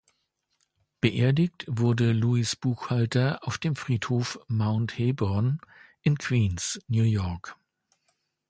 Beerdigt wurde Louis Buchalter auf dem Friedhof Mount Hebron in Queens, New York.